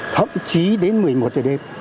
thậm chí đến một mươi một giờ đêm